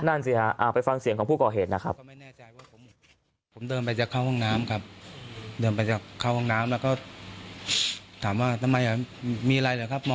นั่นสิฮะไปฟังเสียงของผู้ก่อเหตุนะครับ